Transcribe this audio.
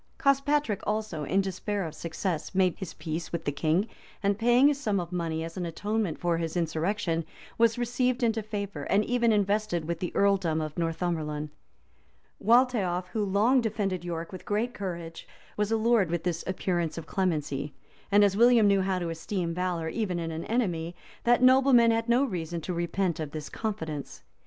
[] Cospatric also, in despair of success, made his peace with the king, and paying a sum of money as an atonement for his insurrection, was received into favor, and even invested with the earldom of Northumberland. Waltheof, who long defended York with great courage, was allured with this appearance of clemency; and as William knew how to esteem valor, even in an enemy, that nobleman had no reason to repent of this confidence.